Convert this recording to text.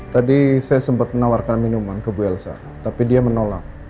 tadi saya sempat menawarkan minuman ke bu elsa tapi dia menolak